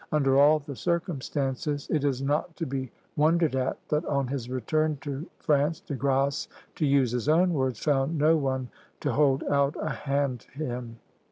Under all the circumstances it is not to be wondered at that on his return to France, De Grasse, to use his own words, "found no one to hold out a hand to him."